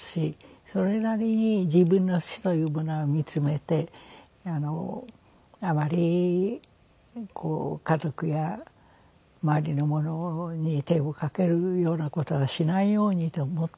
それなりに自分の死というものは見つめてあまりこう家族や周りの者に手をかけるような事はしないようにと思って。